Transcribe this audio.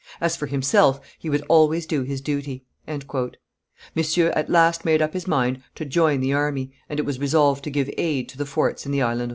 As for himself, he would always do his duty." Monsieur at last made up his mind to join the army, and it was resolved to give aid to the forts in the Island of Re.